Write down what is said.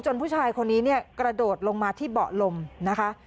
ผู้ชายคนนี้เนี่ยกระโดดลงมาที่เบาะลมนะคะ